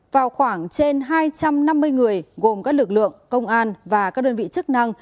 vào khoảng trên hai trăm năm mươi người gồm các lực lượng công an và các đơn vị chức năng